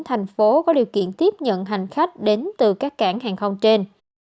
thành phố có điều kiện tiếp nhận hành khách đến từ các cảng hàng không trên